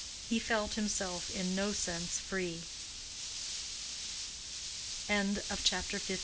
He felt himself in no sense free. CHAPTER XVI.